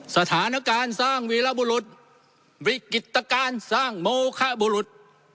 สถานการณ์สร้างวีรบุรุษวิกฤตการณ์สร้างโมคะบุรุษ